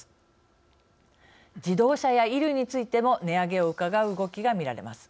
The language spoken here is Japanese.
自動車や衣類についても値上げをうかがう動きがみられます。